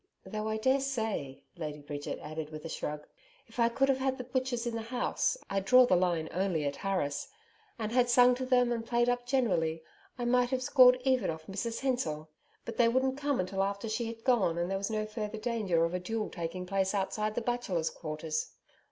Though I daresay,' Lady Bridget added with a shrug, 'if I could have had the butchers in the house I draw the line only at Harris and had sung to them and played up generally, I might have scored even off Mrs Hensor. But they wouldn't come until after she had gone and there was no further danger of a duel taking place outside the Bachelors' Quarters.'